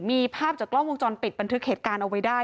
มีภาพจากกล้องวงจรปิดบันทึกเหตุการณ์เอาไว้ได้